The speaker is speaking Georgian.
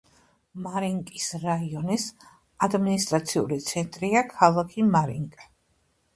მარინკის რაიონის ადმინისტრაციული ცენტრია ქალაქი მარინკა.